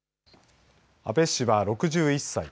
阿部氏は６１歳。